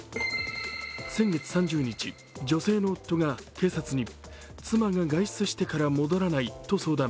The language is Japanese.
先月３０日、女性の夫が警察に妻が外出してから戻らないと相談。